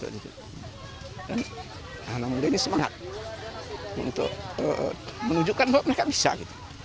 dan anak muda ini semangat untuk menunjukkan bahwa mereka bisa gitu